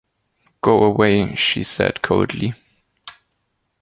"Go away," she said coldly.